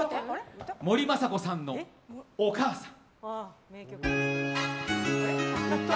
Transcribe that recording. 森昌子さんの「おかあさん」。